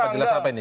jelas apa ini